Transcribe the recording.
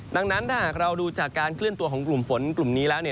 ดังนั้นถ้าหากเราดูจากการเคลื่อนตัวของกลุ่มฝนกลุ่มนี้แล้ว